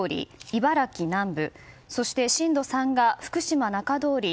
茨城南部震度３が福島中通り